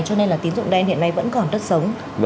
cho nên tín dụng đen hiện nay vẫn còn đất sống